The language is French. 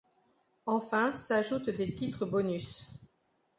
Enfin s'ajoutent des titres bonus.